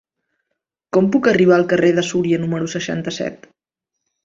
Com puc arribar al carrer de Súria número seixanta-set?